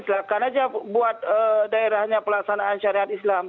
silahkan aja buat daerahnya pelaksanaan syariat islam